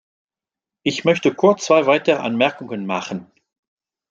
Ich möchte kurz zwei weitere Anmerkungen machen.